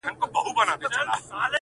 • هم په اور هم په اوبو کي دي ساتمه,